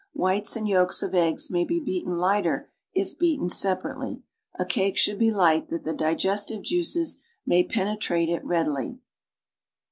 Whites and yolks of eggs may be beaten lighter if beaten separately. A cake should be light that the digestive juices may penetrate it readily.